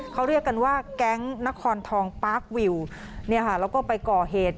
เขาเรียกกันว่าแก๊งนครทองปาร์ควิวเนี่ยค่ะแล้วก็ไปก่อเหตุ